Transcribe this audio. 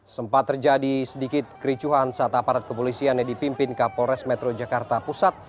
sempat terjadi sedikit kericuhan saat aparat kepolisian yang dipimpin kapolres metro jakarta pusat